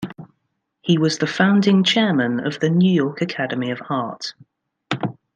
He was the founding chairman of the New York Academy of Art.